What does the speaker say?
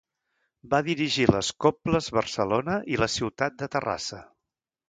Va dirigir les cobles Barcelona i la Ciutat de Terrassa.